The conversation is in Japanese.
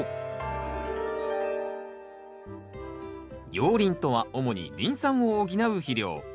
熔リンとは主にリン酸を補う肥料。